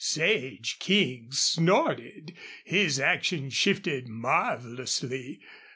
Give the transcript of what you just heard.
Sage King snorted. His action shifted marvelously.